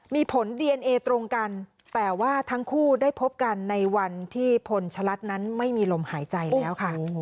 มีผลดีเอนเอตรงกันแต่ว่าทั้งคู่ได้พบกันในวันที่พลชะลัดนั้นไม่มีลมหายใจแล้วค่ะ